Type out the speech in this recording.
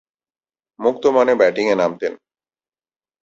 মুক্ত মনে ব্যাটিংয়ে নামতেন।